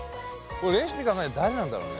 レシピ考えたの誰なんだろうね。